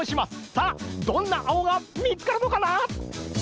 さあどんな青が見つかるのかな？